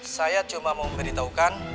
saya cuma mau memberitahukan